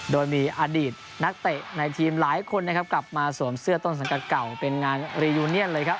โดยมีอดีตนักเตะในทีมหลายคนนะครับกลับมาสวมเสื้อต้นสังกัดเก่าเป็นงานรียูเนียนเลยครับ